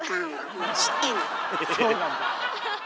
そうなんだ。